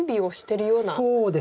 そうですね。